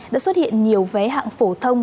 đã xuất hiện nhiều vé hạng phổ thông